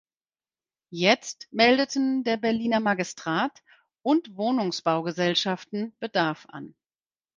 Jetzt meldeten der Berliner Magistrat und Wohnungsbaugesellschaften Bedarf an.